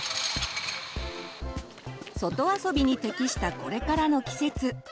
外遊びに適したこれからの季節。